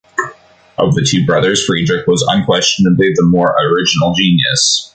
Of the two brothers, Friedrich was unquestionably the more original genius.